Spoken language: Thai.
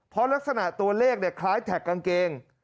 เพราะลักษณะตัวเลขคล้ายแท็กกางเกง